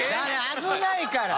危ないから！